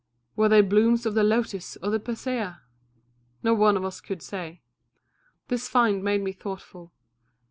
Were they blooms of the lotus or the persea? No one of us could say. This find made me thoughtful.